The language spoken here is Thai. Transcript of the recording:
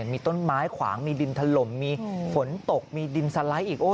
มีต้นไม้ขวางมีดินถล่มมีฝนตกมีดินสไลด์อีก